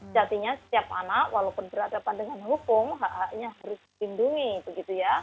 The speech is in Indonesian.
jadinya setiap anak walaupun berhadapan dengan hukum haai nya harus dihindungi